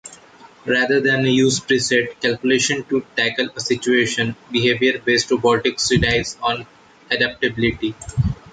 Rather then use preset calculations to tackle a situation, behavior-based robotics relies on adaptability.